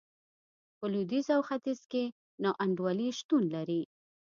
په لوېدیځ او ختیځ کې نا انډولي شتون لري.